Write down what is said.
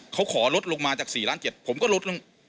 เขาขอลดลงมาจาก๔ล้าน๗ผมก็ลดลง